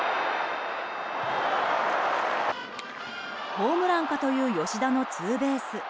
ホームランかという吉田のツーベース。